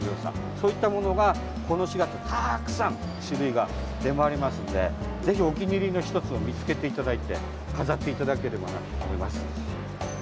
そういったものが、この４月たくさん種類が出回りますのでぜひお気に入りの１つを見つけていただいて飾っていただければと思います。